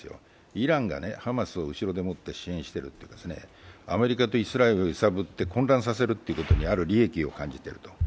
イランがハマスを後ろでもって支援してるというか、アメリカとイスラエルを混乱させて揺さぶって混乱させるということに利益を感じていると。